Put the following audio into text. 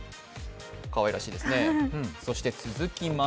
かわいらしいですね。